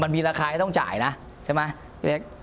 มีราคาให้ต้องจ่ายนะใช่ไหม